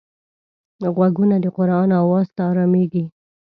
غوږونه د قرآن آواز ته ارامېږي